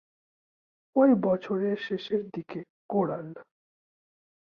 ঐ বছরের শেষের দিকে কোরাল।